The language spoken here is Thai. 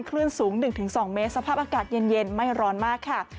คลื่นสูงหนึ่งถึงสองเมตรสภาพอากาศเย็นไม่ร้อนมากค่ะ